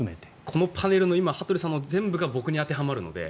このパネルの今羽鳥さんの全部が今、僕に当てはまるので。